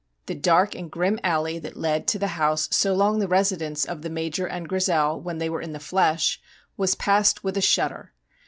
The dark and grim alley that led to the house so long the residence of the Major and Grizel when they were in the flesh was passed with a shudder.